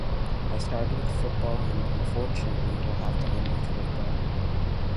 I started with football and, unfortunately, will have to end with football.